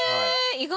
意外！